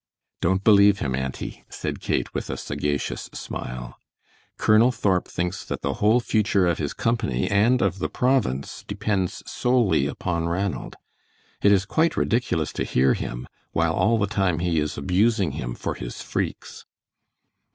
"Don't believe him, auntie," said Kate, with a sagacious smile. "Colonel Thorp thinks that the whole future of his company and of the Province depends solely upon Ranald. It is quite ridiculous to hear him, while all the time he is abusing him for his freaks."